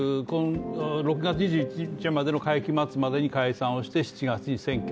６月２１日までの会期末までに解散をして７月に選挙。